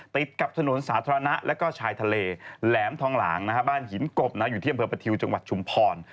ติดกับถนนสาธารณะแล้วก็ชายทะเลแหลมทองหลางบ้านหินกบอยู่ที่อำเภอประทิวจังหวัดชุมพร